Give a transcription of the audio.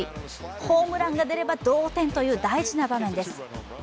ホームランが出れば同点という大事な場面です。